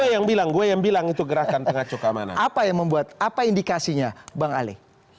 gue yang bilang gue yang bilang itu gerakan pengacau keamanan apa yang membuat apa indikasinya bang ali